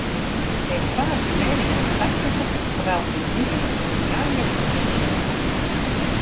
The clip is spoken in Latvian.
Pēc pāris sērijām sapratu, ka velk uz miegu un ir jāiet čučēt.